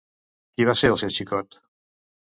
Qui va ser el seu xicot?